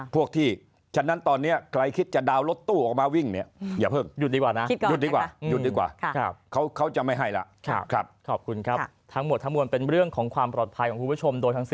ไปกันตอนนี้ใครคิดจะดาวรถตู้ออกมาวิ่ง